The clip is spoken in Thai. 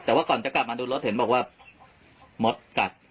แต่ว่าก่อนจะกลับมาดูรถเห็นบอกว่ามดกลับ